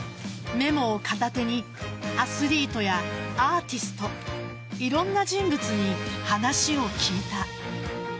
メモを片手にアスリートやアーティストいろんな人物に話を聞いた。